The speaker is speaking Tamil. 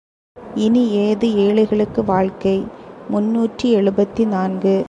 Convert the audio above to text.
இனி ஏது ஏழைகளுக்கு வாழ்க்கை? முன்னூற்று எழுபத்து நான்கு.